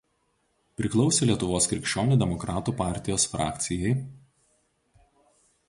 Priklausė Lietuvos krikščionių demokratų partijos frakcijai.